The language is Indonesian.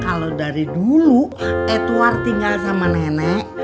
kalau dari dulu edward tinggal sama nenek